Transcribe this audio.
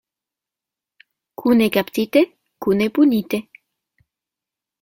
Kune kaptite, kune punite.